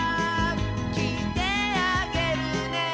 「きいてあげるね」